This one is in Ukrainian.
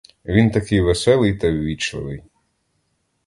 Він такий веселий та ввічливий.